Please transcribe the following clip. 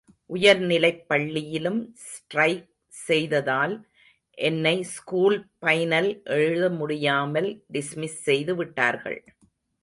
உயர்நிலைப் பள்ளியிலும் ஸ்ட்ரைக் செய்ததால் என்னை ஸ்கூல் பைனல் எழுத முடியாமல் டிஸ்மிஸ்செய்து விட்டார்கள்.